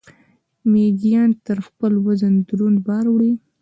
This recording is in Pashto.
میږیان تر خپل وزن دروند بار وړي